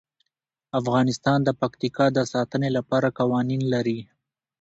افغانستان د پکتیکا د ساتنې لپاره قوانین لري.